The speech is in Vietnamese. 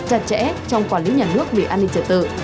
chặt chẽ trong quản lý nhà nước về an ninh trật tự